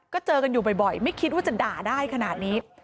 ก็เจอกันอยู่บ่อยไม่คิดว่าจะด่าได้ขนาดนี้